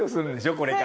これから。